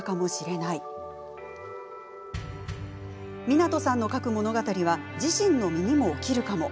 湊さんの書く物語は自分の身にも起きるかも。